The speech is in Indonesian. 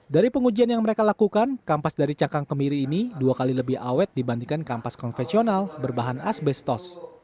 dari pengujian yang mereka lakukan kampas dari cangkang kemiri ini dua kali lebih awet dibandingkan kampas konvensional berbahan asbestos